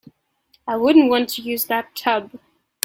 I wouldn't want to use that tub.